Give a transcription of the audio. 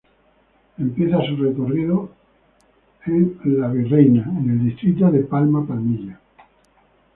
Empieza su recorrido en La Virreina, en el distrito de Palma-Palmilla.